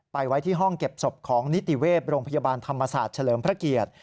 ไว้ที่ห้องเก็บศพของนิติเวศโรงพยาบาลธรรมศาสตร์เฉลิมพระเกียรติ